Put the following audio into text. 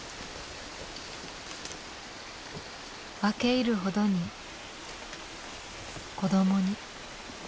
分け入るほどに子どもに。